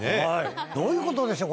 どういうことでしょう